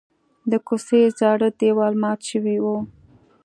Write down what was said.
د کوڅې زاړه دیوال مات شوی و.